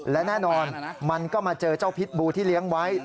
และแน่นอนมันก็มาเจอเจ้าพิษบูที่เลี้ยงไว้